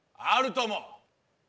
あるとも。